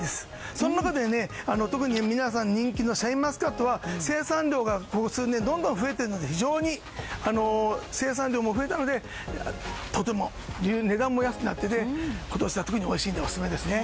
その中でも、特に皆さんに人気のシャインマスカットは生産量がここ数年どんどん増えているのでとても値段も安くなってて今年は特においしいのでオススメですね。